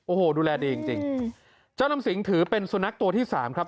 โอ้โหดูแลดีจริงจริงเจ้าน้ำสิงถือเป็นสุนัขตัวที่สามครับ